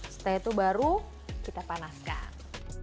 setelah itu baru kita panaskan